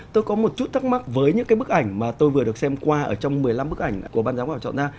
tôi có một chút thắc mắc với những cái bức ảnh mà tôi vừa được xem qua ở trong một mươi năm bức ảnh của ban giám khảo chọn ra